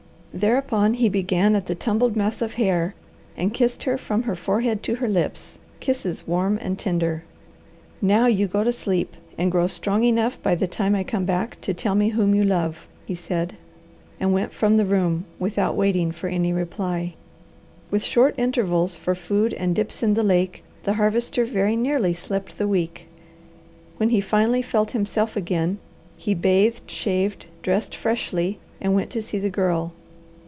Thereupon he began at the tumbled mass of hair and kissed from her forehead to her lips, kisses warm and tender. "Now you go to sleep, and grow strong enough by the time I come back to tell me whom you love," he said, and went from the room without waiting for any reply. With short intervals for food and dips in the lake the Harvester very nearly slept the week. When he finally felt himself again, he bathed, shaved, dressed freshly, and went to see the Girl.